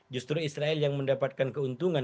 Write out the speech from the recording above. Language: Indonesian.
justru israel yang mendapatkan keuntungan